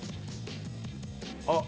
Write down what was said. あっ。